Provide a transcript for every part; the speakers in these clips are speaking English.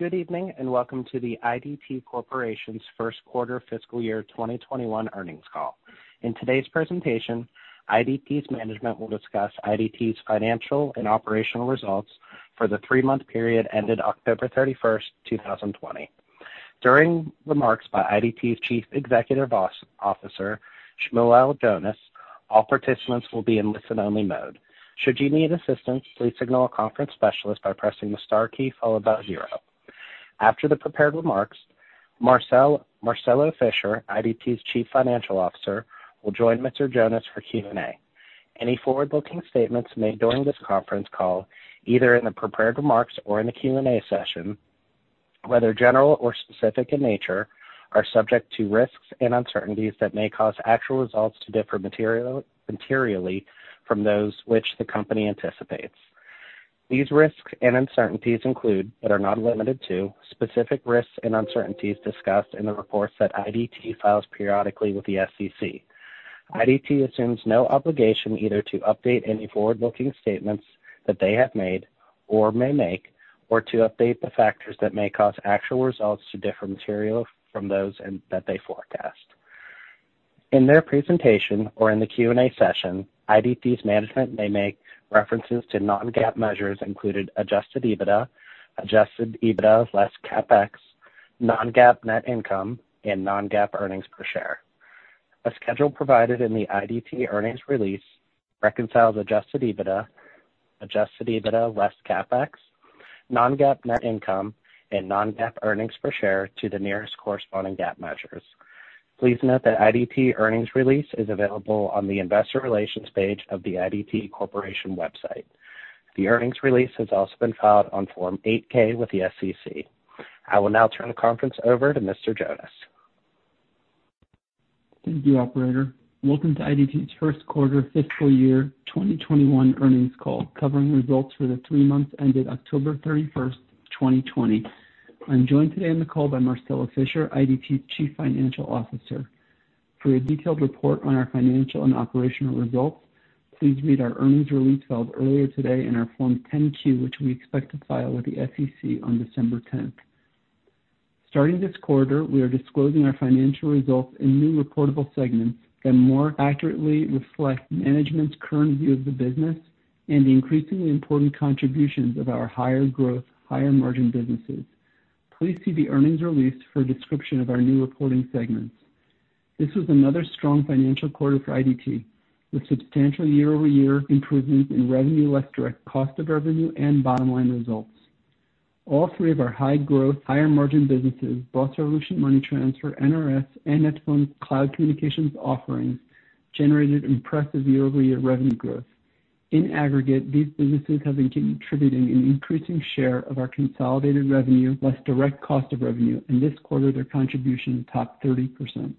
Good evening and welcome to the IDT Corporation's first quarter fiscal year 2021 earnings call. In today's presentation, IDT's management will discuss IDT's financial and operational results for the three-month period ended October 31st, 2020. During remarks by IDT's Chief Executive Officer, Shmuel Jonas, all participants will be in listen-only mode. Should you need assistance, please signal a conference specialist by pressing the star key followed by zero. After the prepared remarks, Marcelo Fischer, IDT's Chief Financial Officer, will join Mr. Jonas for Q&A. Any forward-looking statements made during this conference call, either in the prepared remarks or in the Q&A session, whether general or specific in nature, are subject to risks and uncertainties that may cause actual results to differ materially from those which the company anticipates. These risks and uncertainties include, but are not limited to, specific risks and uncertainties discussed in the reports that IDT files periodically with the SEC. IDT assumes no obligation either to update any forward-looking statements that they have made or may make, or to update the factors that may cause actual results to differ materially from those that they forecast. In their presentation or in the Q&A session, IDT's management may make references to non-GAAP measures including adjusted EBITDA, adjusted EBITDA less CapEx, non-GAAP net income, and non-GAAP earnings per share. A schedule provided in the IDT's earnings release reconciles adjusted EBITDA, adjusted EBITDA less CapEx, non-GAAP net income, and non-GAAP earnings per share to the nearest corresponding GAAP measures. Please note that IDT's earnings release is available on the investor relations page of the IDT Corporation website. The earnings release has also been filed on Form 8-K with the SEC. I will now turn the conference over to Mr. Jonas. Thank you, Operator. Welcome to IDT's first quarter fiscal year 2021 earnings call covering results for the three months ended October 31st, 2020. I'm joined today on the call by Marcelo Fischer, IDT's Chief Financial Officer. For a detailed report on our financial and operational results, please read our earnings release filed earlier today and our Form 10-Q, which we expect to file with the SEC on December 10th. Starting this quarter, we are disclosing our financial results in new reportable segments that more accurately reflect management's current view of the business and the increasingly important contributions of our higher growth, higher margin businesses. Please see the earnings release for a description of our new reporting segments. This was another strong financial quarter for IDT, with substantial year-over-year improvements in revenue less direct cost of revenue and bottom line results. All three of our high growth, higher margin businesses, BOSS Revolution Money Transfer, NRS, and net2phone Cloud Communications offerings generated impressive year-over-year revenue growth. In aggregate, these businesses have been contributing an increasing share of our consolidated revenue less direct cost of revenue, and this quarter their contribution topped 30%.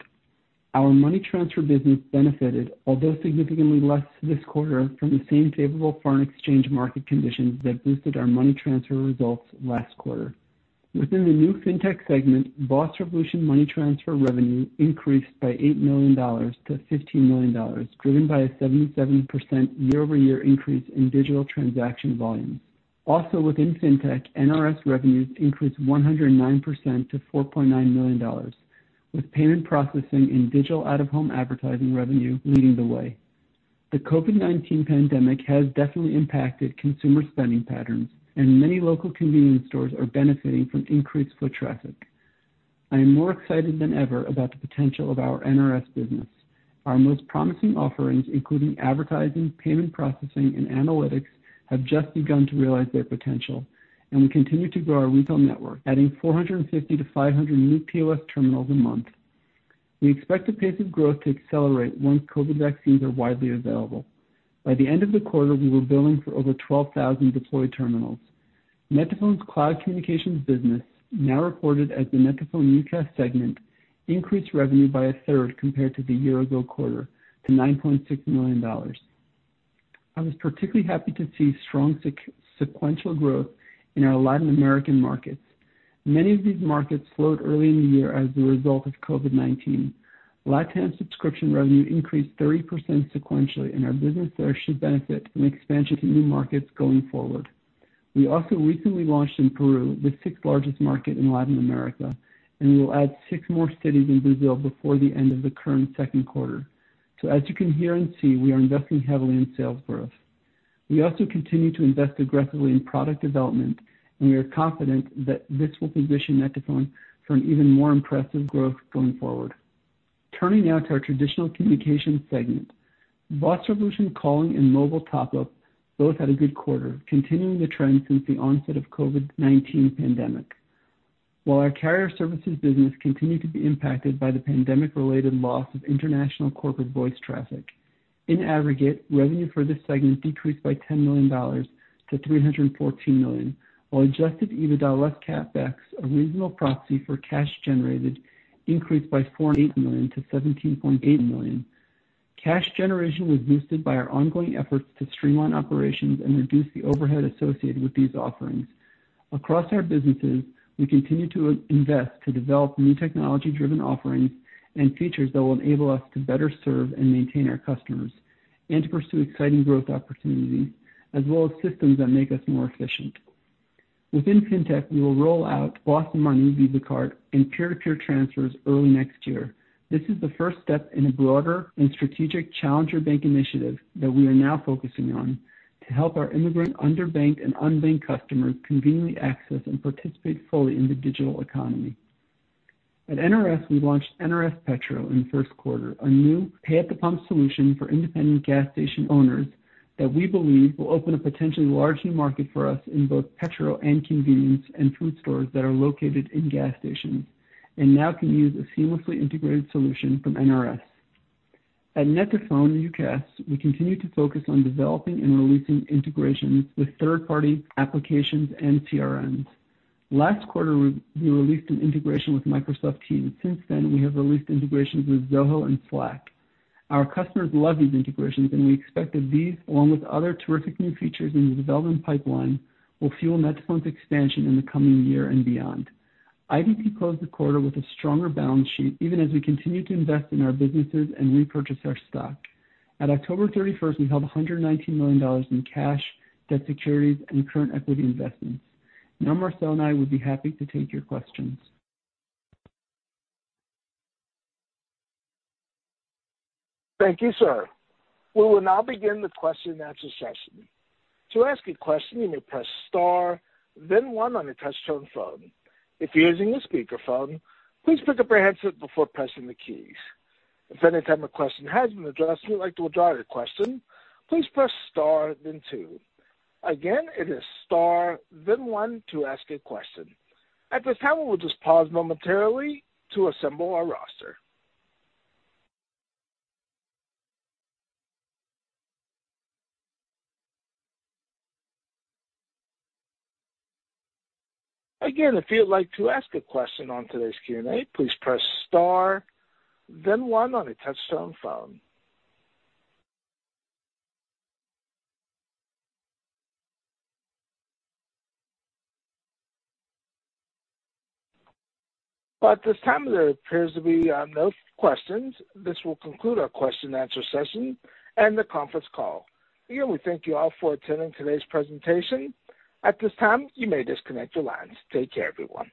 Our money transfer business benefited, although significantly less this quarter, from the same favorable foreign exchange market conditions that boosted our money transfer results last quarter. Within the new Fintech segment, BOSS Revolution Money Transfer revenue increased by $8 million to $15 million, driven by a 77% year-over-year increase in digital transaction volumes. Also, within Fintech, NRS revenues increased 109% to $4.9 million, with payment processing and digital out-of-home advertising revenue leading the way. The COVID-19 pandemic has definitely impacted consumer spending patterns, and many local convenience stores are benefiting from increased foot traffic. I am more excited than ever about the potential of our NRS business. Our most promising offerings, including advertising, payment processing, and analytics, have just begun to realize their potential, and we continue to grow our retail network, adding 450-500 new POS terminals a month. We expect the pace of growth to accelerate once COVID vaccines are widely available. By the end of the quarter, we were billing for over 12,000 deployed terminals. net2phone Cloud Communications business, now reported as the net2phone UCaaS segment, increased revenue by 1/3 compared to the year-ago quarter to $9.6 million. I was particularly happy to see strong sequential growth in our Latin American markets. Many of these markets slowed early in the year as a result of COVID-19. Lifetime subscription revenue increased 30% sequentially, and our business there should benefit from expansion to new markets going forward. We also recently launched in Peru, the sixth largest market in Latin America, and we will add six more cities in Brazil before the end of the current second quarter. So, as you can hear and see, we are investing heavily in sales growth. We also continue to invest aggressively in product development, and we are confident that this will position net2phone for an even more impressive growth going forward. Turning now to our Traditional Communications segment, BOSS Revolution Calling and Mobile Top-Up both had a good quarter, continuing the trend since the onset of the COVID-19 pandemic. While our Carrier Services business continued to be impacted by the pandemic-related loss of international corporate voice traffic, in aggregate, revenue for this segment decreased by $10 million to $314 million, while adjusted EBITDA less CapEx, a reasonable proxy for cash generated, increased by $4.8 million to $17.8 million. Cash generation was boosted by our ongoing efforts to streamline operations and reduce the overhead associated with these offerings. Across our businesses, we continue to invest to develop new technology-driven offerings and features that will enable us to better serve and maintain our customers and to pursue exciting growth opportunities, as well as systems that make us more efficient. Within Fintech, we will roll out BOSS Money Visa Card and peer-to-peer transfers early next year. This is the first step in a broader and strategic challenger bank initiative that we are now focusing on to help our immigrant underbanked and unbanked customers conveniently access and participate fully in the digital economy. At NRS, we launched NRS Petro in the first quarter, a new pay-at-the-pump solution for independent gas station owners that we believe will open a potentially large new market for us in both petro and convenience and food stores that are located in gas stations and now can use a seamlessly integrated solution from NRS. At net2phone UCaaS, we continue to focus on developing and releasing integrations with third-party applications and CRMs. Last quarter, we released an integration with Microsoft Teams. Since then, we have released integrations with Zoho and Slack. Our customers love these integrations, and we expect that these, along with other terrific new features in the development pipeline, will fuel net2phone's expansion in the coming year and beyond. IDT closed the quarter with a stronger balance sheet, even as we continue to invest in our businesses and repurchase our stock. At October 31st, we held $119 million in cash, debt securities, and current equity investments. Now, Marcelo and I would be happy to take your questions. Thank you, sir. We will now begin the question-and-answer session. To ask a question, you may press star, then one on a touch-tone phone. If you're using a speakerphone, please pick up your headset before pressing the keys. If at any time a question has been addressed and you'd like to withdraw your question, please press star, then two. Again, it is star, then one to ask a question. At this time, we will just pause momentarily to assemble our roster. Again, if you'd like to ask a question on today's Q&A, please press star, then one on a touch-tone phone. At this time, there appears to be no questions. This will conclude our question-and-answer session and the conference call. Again, we thank you all for attending today's presentation. At this time, you may disconnect your lines. Take care, everyone.